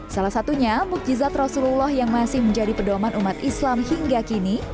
salah satunya mukjizat rasulullah yang masih menjadi pedoman umat islam hingga kini